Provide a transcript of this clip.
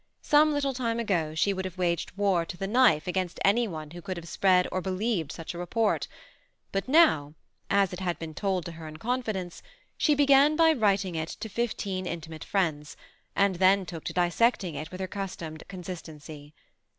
Some little time ago she would have waged war to the knife against any one who could have spread or believed such a report ; but now, as it had been told to her in confidence, she began by writing m/ / S22 THE SEMI ATTACHED COUPLE. it to fifteen intimate friends ; and then took to dissect ing it with her accustomed consistency.